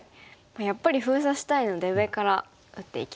やっぱり封鎖したいので上から打っていきますか。